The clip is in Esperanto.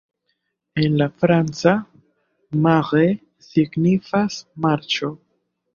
En la franca, "Marais" signifas "marĉo".